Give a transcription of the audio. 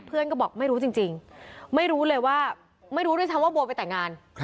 เพื่อนก็บอกไม่รู้จริงไม่รู้เลยว่าไม่รู้ด้วยซ้ำว่าโบไปแต่งงาน